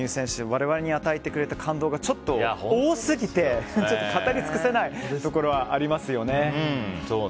我々に与えてくれた感動がちょっと多すぎて語り尽くせないところはありますよね。